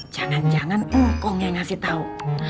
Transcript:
jangan jangan ungkong yang ngasih tau